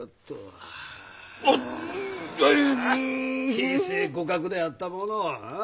形勢互角であったものをうん？